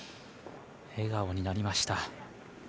笑顔になりました。